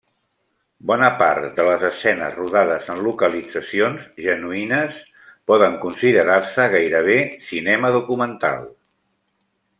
Bona part de les escenes, rodades en localitzacions genuïnes, poden considerar-se gairebé cinema documental.